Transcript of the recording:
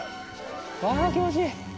錙舛気持ちいい。